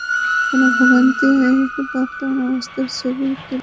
কোনো ভোগান্তির বর্তমান অবস্থার ছবি তুলে পাঠানো যাবে সিটি করপোরেশনের কাছে।